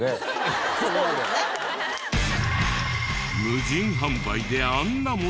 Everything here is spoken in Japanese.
無人販売であんなものを。